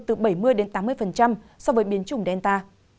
từ bảy mươi tám mươi so với biến chủng delta